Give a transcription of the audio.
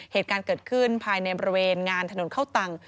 เหตุการณ์เกิดขึ้นภายในบริเวณงานถนนเข้าตังค์